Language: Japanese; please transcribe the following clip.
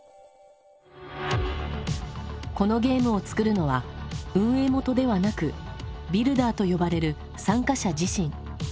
このゲームを作るのは運営元ではなくビルダーと呼ばれる参加者自身。